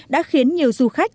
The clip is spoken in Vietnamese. đã khiến nhiều du khách